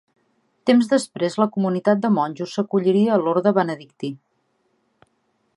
Temps després la comunitat de monjos s'acolliria a l'orde benedictí.